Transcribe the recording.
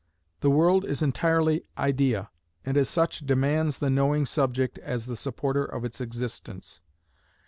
The world is entirely idea, and as such demands the knowing subject as the supporter of its existence.